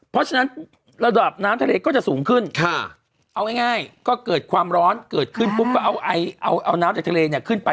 เพราะฉะนั้นระดับน้ำทะเลก็จะสูงขึ้นเอาง่ายก็เกิดความร้อนเกิดขึ้นปุ๊บก็เอาน้ำจากทะเลเนี่ยขึ้นไป